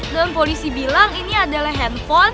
dan polisi bilang ini adalah handphone